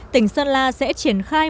tỉnh sơn la sẽ triển khai